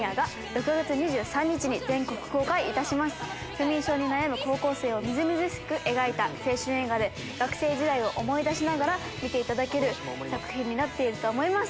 不眠症に悩む高校生をみずみずしく描いた青春映画で学生時代を思い出しながら見ていただける作品になっていると思います。